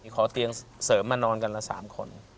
ขอเตียงเสริมมานอนกันละ๓คน